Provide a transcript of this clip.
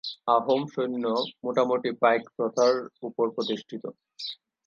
আহোম সৈন্য মোটামুটি পাইক প্রথার উপর প্রতিষ্ঠিত।